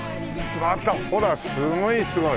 ほらすごいすごい。